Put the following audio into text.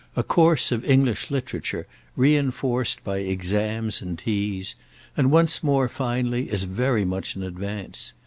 a course of English Literature re enforced by exams and teas—and once more, finally, as very much in advance.